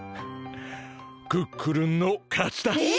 クックルンの勝ちだ！え？